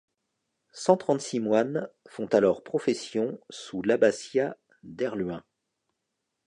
Cent trente-six moines font alors profession sous l'abbatiat d'Herluin.